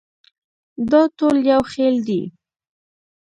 دا ټول یو خېل دي.